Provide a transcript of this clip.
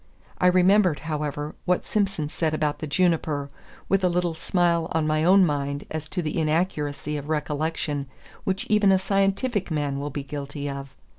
I remembered, however, what Simson said about the juniper, with a little smile on my own mind as to the inaccuracy of recollection which even a scientific man will be guilty of.